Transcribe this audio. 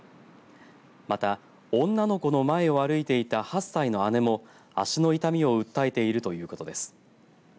また、女の子の前を歩いていた８歳の姉も足の痛みを訴えているということです。